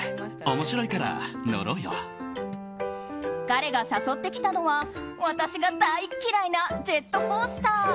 彼が誘ってきたのは私が大嫌いなジェットコースター。